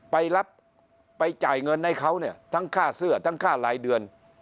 ไปรับไปจ่ายเงินให้เขาเนี่ยทั้งค่าเสื้อทั้งค่ารายเดือน